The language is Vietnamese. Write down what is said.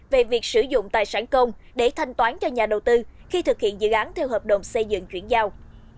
về việc sử dụng tài sản công để thanh toán cho nhà đầu tư khi thực hiện dự án theo hợp đồng xây dựng chuyển giao